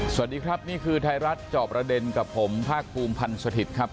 สวัสดีครับนี่คือไทยรัฐจอบประเด็นกับผมภาคภูมิพันธ์สถิตย์ครับ